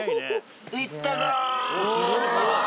いったぞ！